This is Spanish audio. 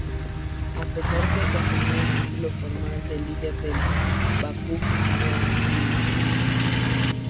A pesar que asumió el título formal de líder del "bakufu", era un niño.